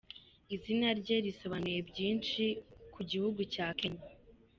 Izina rye risobanuye byinshi ku gihugu cya Kenya